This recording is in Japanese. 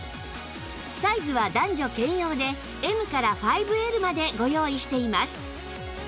サイズは男女兼用で Ｍ から ５Ｌ までご用意しています